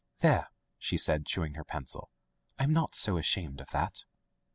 *'*' There/' she said, chewing her pencil, "Tm not so ashamed of that."